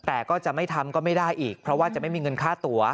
แต่ก็จะไม่ทำก็ไม่ได้อีกเพราะว่าจะไม่มีเงินค่าตัว